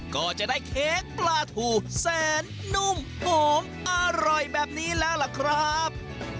ก็จะได้เค้กปลาถูแสนนุ่มหอมอร่อยแบบนี้แล้วล่ะครับ